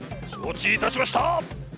承知いたしました。